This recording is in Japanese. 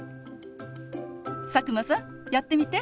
佐久間さんやってみて。